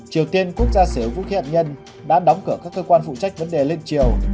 triều tiên quốc gia xứ vũ khí hạt nhân đã đóng cửa các cơ quan phụ trách vấn đề lên triều